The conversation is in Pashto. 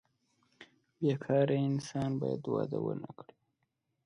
بې کاره انسان باید واده ونه کړي.